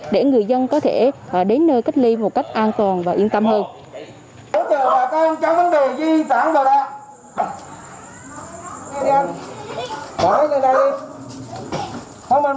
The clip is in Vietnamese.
để người dân có thể đến nơi cách ly một cách an toàn và yên tâm hơn